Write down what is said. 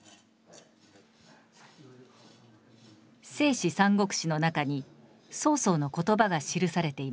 「正史三国志」の中に曹操の言葉が記されています。